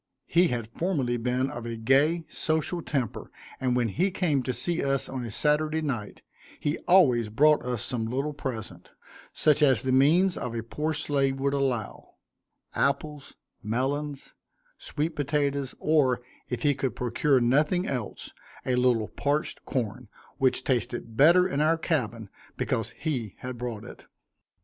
He had formerly been of a gay, social temper, and when he came to see us on a Saturday night, he always brought us some little present, such as the means of a poor slave would allow apples, melons, sweet potatoes, or, if he could procure nothing else, a little parched corn, which tasted better in our cabin, because he had brought it.